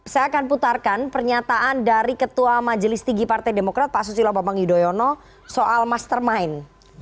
saya akan putarkan pernyataan dari ketua majelis tinggi partai demokrat pak susilo bambang yudhoyono soal mastermind